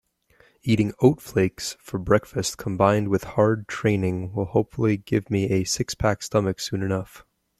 Eating oat flakes for breakfast combined with hard training will hopefully give me a six-pack stomach soon enough.